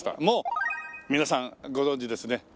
もう皆さんご存じですね。